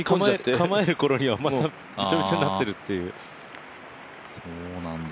構えるころにはまたびちょびちょになってるっていう。